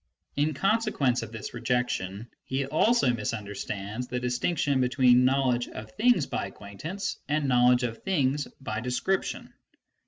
(In consequence of this rejection, he also misunderstands the distinction between knowr ledge of things by acquaintance and knowledge of things by de scription.)